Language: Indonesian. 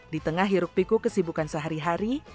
di tengah hiruk piku kesibukan sehari hari